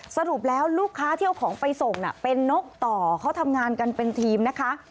สรุปแล้วลูกค้าที่เอาของไปส่งเป็นนกต่อเขาทำงานกันเป็นทีมนะคะ